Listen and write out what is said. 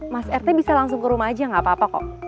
mas rt bisa langsung ke rumah aja gak apa apa kok